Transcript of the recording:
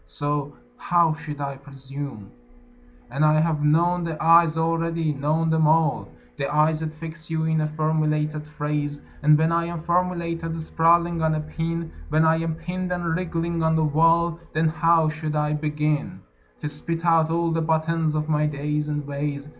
So how should I presume? And I have known the eyes already, known them all The eyes that fix you in a formulated phrase, And when I am formulated, sprawling on a pin, When I am pinned and wriggling on the wall, Then how should I begin To spit out all the butt ends of my days and ways?